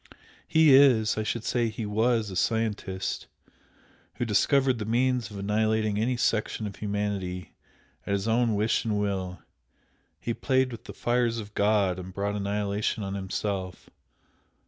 He is I should say he was a scientist, who discovered the means of annihilating any section of humanity at his own wish and will he played with the fires of God and brought annihilation on himself.